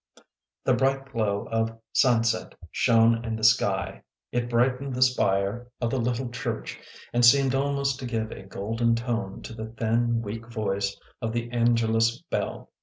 The bright glow of sunset shone in the sky. It bright WALKING THE RAINBOW in ened the spire of the little church and seemed almost to give a golden tone to the thin, weak voice of the Angelus bell.